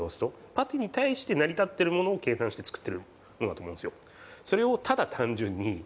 パティに対して成り立ってるものを計算して作ってるものだと思うんですよ